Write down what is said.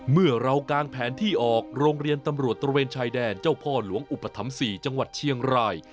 เมื่อเรากางแผนที่ออกโรงเรียนตำรวจตระเวนชายแดนเจ้าพ่อหลวงอุปถัมภ์๔จังหวัดเชียงราย